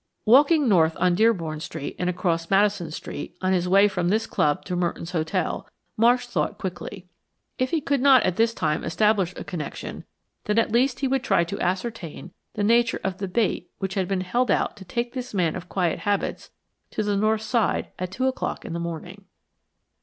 Walking north on Dearborn Street and across Madison Street, on his way from this club to Merton's hotel, Marsh thought quickly. If he could not at this time establish a connection, then at least he would try to ascertain the nature of the bait which had been held out to take this man of quiet habits to the North Side at two o'clock in the morning.